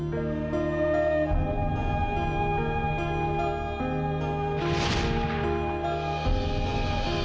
sebentar ya saya panggil istri saya dulu